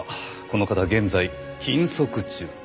この方現在禁足中。